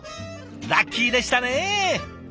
ラッキーでしたね。